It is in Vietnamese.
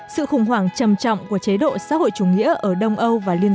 sự khủng hoảng trầm trọng của chế độ xã hội chủ nghĩa ở đông an